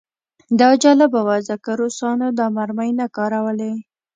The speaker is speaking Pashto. دا جالبه وه ځکه روسانو دا مرمۍ نه کارولې